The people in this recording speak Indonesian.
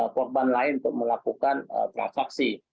korban lain untuk melakukan transaksi